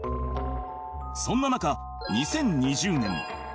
そんな中２０２０年